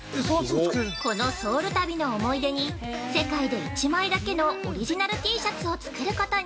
◆このソウル旅の思い出に世界で一枚だけのオリジナルＴシャツを作ることに。